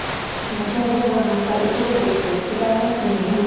何か表情がまた浮き出てきて違いますね。